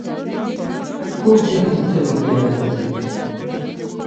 کوږ ذهن تل وېره لري